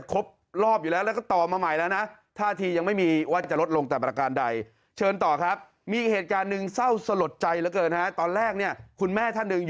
ก็คือ๑๘๙๐๐กว่าอีก๑รายนะ